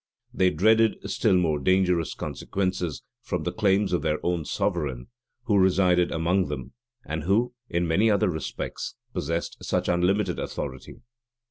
They dreaded still more dangerous consequences from the claims of their own sovereign, who resided among them, and who, in many other respects, possessed such unlimited authority.